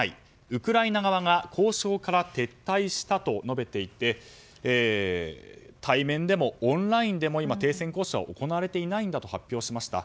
ウクライナ側が交渉から撤退したと述べていて対面でもオンラインでも今、停戦交渉は行われていないんだと発表しました。